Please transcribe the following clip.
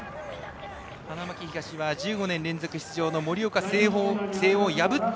花巻東は１５年連続出場の盛岡誠桜を破って。